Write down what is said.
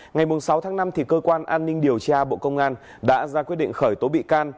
ngày sáu tháng năm cơ quan an ninh điều tra bộ công an đã ra quyết định khởi tố bị can